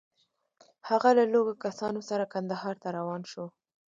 هغه له لږو کسانو سره کندهار ته روان شو.